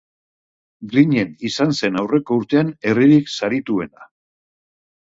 Griñen izan zen aurreko urtean herririk sarituena.